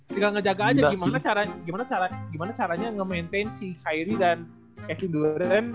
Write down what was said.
tinggal ngejaga aja gimana caranya nge maintain si hairi dan kevin duren